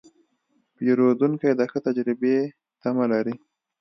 پیرودونکی د ښه تجربې تمه لري.